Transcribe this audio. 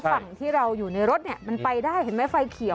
ฝั่งที่เราอยู่ในรถมันไปได้